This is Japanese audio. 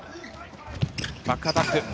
バックアタック。